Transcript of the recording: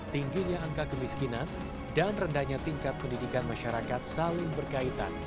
tingginya angka kemiskinan dan rendahnya tingkat pendidikan masyarakat saling berkaitan